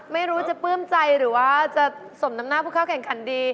ไม่รู้จะปลื้มใจหรือว่าจะสมน้ำหน้าผู้เข้าแข่งขันดี